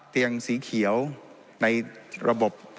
เตียงสีเขียวในระบบ